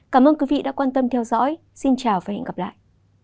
cảm ơn quý vị đã quan tâm theo dõi xin chào và hẹn gặp lại